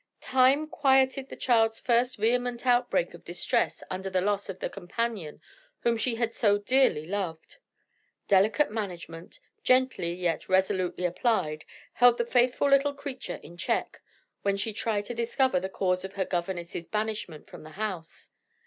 Time quieted the child's first vehement outbreak of distress under the loss of the companion whom she had so dearly loved. Delicate management, gently yet resolutely applied, held the faithful little creature in check, when she tried to discover the cause of her governess's banishment from the house.